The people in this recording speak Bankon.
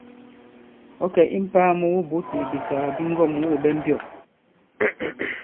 Ɔ̌ kɛ̀ i mpāa mu wubǔt nì bìsàgà bi ŋgɔ᷇m wû ɓɛ mbyɔ̂?